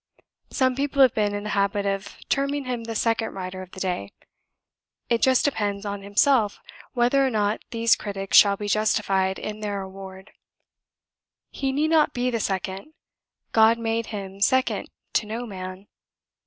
Some people have been in the habit of terming him the second writer of the day; it just depends on himself whether or not these critics shall be justified in their award. He need not be the second. God made him second to no man.